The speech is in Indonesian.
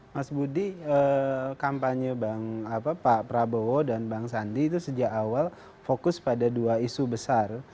mas budi kampanye pak prabowo dan bang sandi itu sejak awal fokus pada dua isu besar